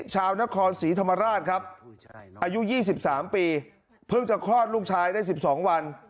ชาวนครศรีธรรมราชครับอายุ๒๓ปีเพิ่งจะคลอดลูกชายได้๑๒วัน